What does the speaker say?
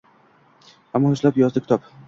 Аmmo yuzlab yozdi kitob